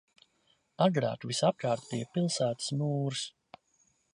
Agrāk visapkārt bija pilsētas mūris.